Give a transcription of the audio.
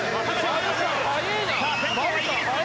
先頭はイギリス。